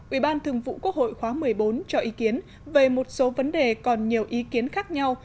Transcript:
ủy ban thường vụ quốc hội khóa một mươi bốn cho ý kiến về một số vấn đề còn nhiều ý kiến khác nhau